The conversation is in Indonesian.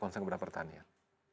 konsen keberanian pertanian